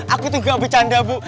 aku tuh gak bercanda bu